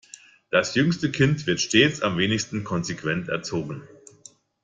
Das jüngste Kind wird stets am wenigsten konsequent erzogen.